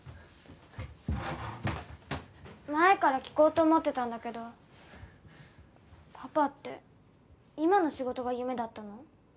前から聞こうと思ってたんだけどパパって今の仕事が夢だったの？